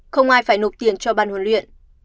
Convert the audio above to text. không ai phải nộp tiền cho bàn huấn luyện